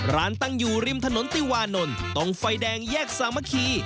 ตั้งอยู่ริมถนนติวานนท์ตรงไฟแดงแยกสามัคคี